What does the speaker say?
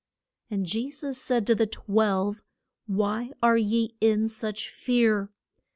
] And Je sus said to the twelve, Why are ye in such fear?